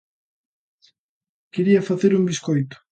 Quería facer un biscoito.